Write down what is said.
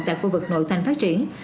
tại khu vực nội thành phát triển